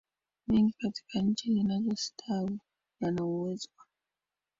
mengi katika nchi zinazostawi yana uwezo wa